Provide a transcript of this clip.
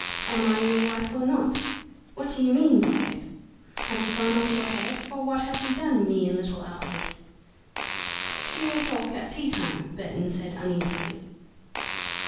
Am I your wife or not? What do you mean by it? Have you gone off your head, or what have we done me and little Alfred?" "We will talk at tea time," Burton said, uneasily.